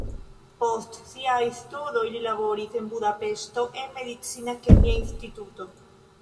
Post siaj studoj li laboris en Budapeŝto en medicina kemia instituto.